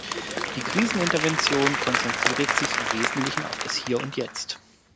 Die Krisenintervention konzentriert sich im Wesentlichen auf das Hier und Jetzt.